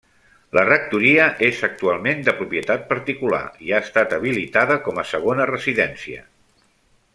La rectoria és actualment de propietat particular, i ha estat habilitada com a segona residència.